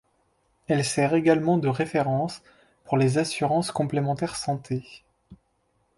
Elle sert également de référence pour les assurances complémentaire santé.